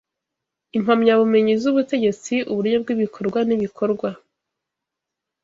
impamyabumenyi zubutegetsi uburyo bwibikorwa nibikorwa